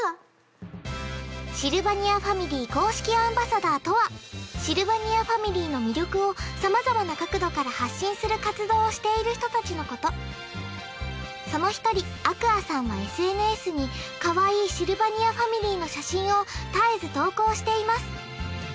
シルバニアファミリー公式アンバサダーとはシルバニアファミリーの魅力を様々な角度から発信する活動をしている人達のことその一人ａｑｕａさんはＳＮＳにかわいいシルバニアファミリーの写真を絶えず投稿しています